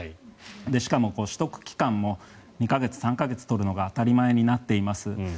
しかも、取得期間も２か月、３か月取るのが当たり前になっています。